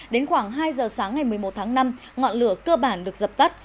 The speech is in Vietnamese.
đến khoảng hai giờ sáng ngày một mươi một tháng năm ngọn lửa cơ bản được dập tắt